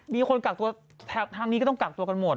มีคนกักตัวทางนี้ก็ต้องกักตัวกันหมด